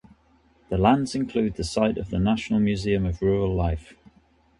The lands include the site of the National Museum of Rural Life.